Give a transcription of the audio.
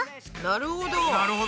なるほど。